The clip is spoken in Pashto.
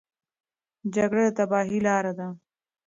جګړه د تباهۍ لاره ده.